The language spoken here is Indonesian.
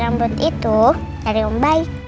rambut itu dari umbay